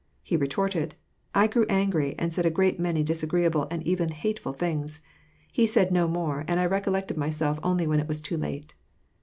He retorted. I grew angry, and said a great many dis agreeable and even hateful things. He said no more, and I recollected myself only when it was too late.